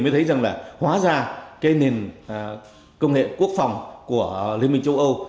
mới thấy rằng là hóa ra cái nền công nghệ quốc phòng của liên minh châu âu